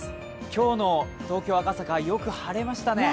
今日の東京・赤坂よく晴れましたね。